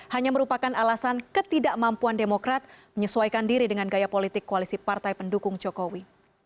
hanya merupakan alasan ketidakmampuan demokrat menyesuaikan diri dengan gaya politik koalisi partai pendukung jokowi